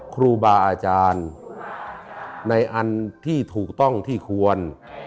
ครูบาอาจารย์ในอันที่ถูกต้องที่ควร